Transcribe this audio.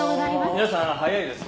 皆さん早いですね。